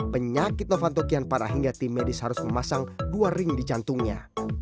penyakit novanto kian parah hingga tim medis harus memasang dua ring di jantungnya